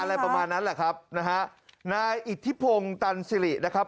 อะไรประมาณนั้นแหละครับนะฮะนายอิทธิพงศ์ตันสิรินะครับ